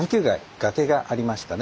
崖がありましたね。